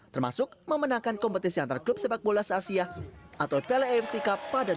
termasuk memenangkan kompetisi antarklub sepak bola se asia atau piala afc cup pada dua ribu lima belas